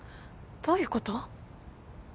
どういうこと？